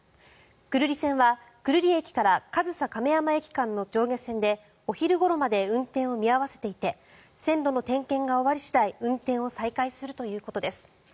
久留里線は久留里駅から上総亀山駅の間の上下線でお昼ごろまで運転を見合わせていて線路の点検が終わり次第運転を再開するということです。